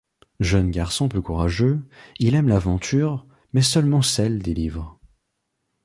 Jeune garçon peu courageux, il aime l'aventure mais seulement celle des livres.